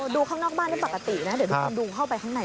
ดูข้างนอกบ้านได้ปกตินะเดี๋ยวทุกคนดูเข้าไปข้างใน